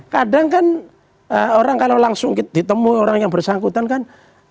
kadang kan orang kalau langsung ditemui orang yang bersangkutan kan